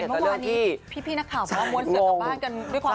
เห็นเมื่อวานนี้พี่นักข่าวม้วนเสือบกลับบ้านกัน